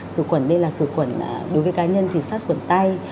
khử khuẩn đây là khử khuẩn đối với cá nhân thì sát khuẩn tay